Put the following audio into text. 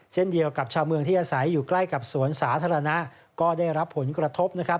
เช่นเดียวกับชาวเมืองที่อาศัยอยู่ใกล้กับสวนสาธารณะก็ได้รับผลกระทบนะครับ